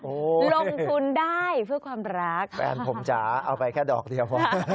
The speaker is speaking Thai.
โอ้โหลงทุนได้เพื่อความรักแฟนผมจ๋าเอาไปแค่ดอกเดียว